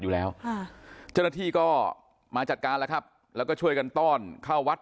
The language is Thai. อยู่แล้วค่ะเจ้าหน้าที่ก็มาจัดการแล้วครับแล้วก็ช่วยกันต้อนเข้าวัด